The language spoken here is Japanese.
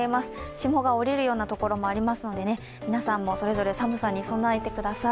霜が降りるようなところもありますので、皆さんも、それぞれ寒さに備えてください。